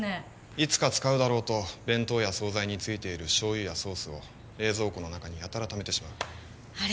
いつか使うだろうと弁当や惣菜についている醤油やソースを冷蔵庫の中にやたらためてしまうあれ